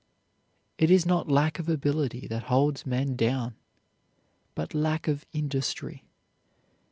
It is not lack of ability that holds men down but lack of industry.